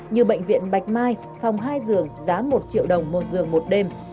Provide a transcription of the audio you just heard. như bệnh viện bạch mai phòng hai giường giá một triệu đồng một giường một đêm